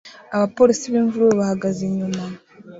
Abapolisi b'imvururu bahagaze inyuma